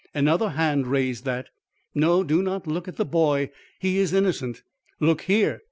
Another hand raised that. No, do not look at the boy. He is innocent! Look here!